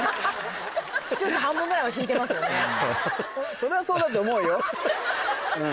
それはそうだと思うようん。